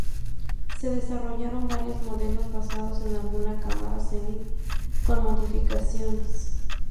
Se desarrollaron varios modelos basados en alguna cámara Zenit con modificaciones.